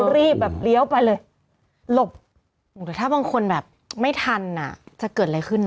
รีบแบบเลี้ยวไปเลยหลบแต่ถ้าบางคนแบบไม่ทันอ่ะจะเกิดอะไรขึ้นนะ